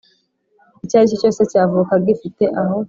Icyo aricyo cyose cyavuka gifite aho